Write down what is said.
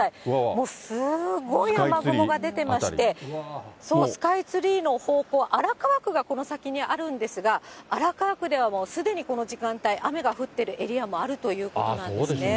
もう、すごい雨雲が出てまして、スカイツリーの方向、荒川区がこの先にあるんですが、荒川区ではもうすでにこの時間帯、雨が降っているエリアもあるということなんですね。